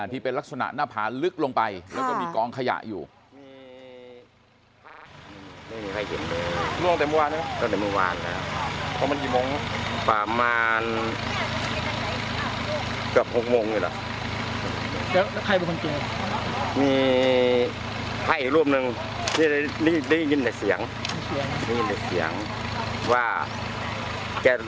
ที่เป็นลักษณะหน้าผาลึกลงไปแล้วก็มีกองขยะอยู่